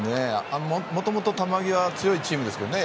もともと球際が強いチームですけどね。